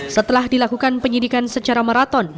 setelah dilakukan penyidikan secara maraton